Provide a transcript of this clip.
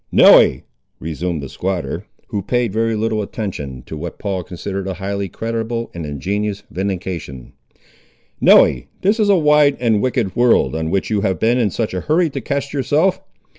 "Nelly," resumed the squatter, who paid very little attention to what Paul considered a highly creditable and ingenious vindication, "Nelly, this is a wide and a wicked world, on which you have been in such a hurry to cast yourself.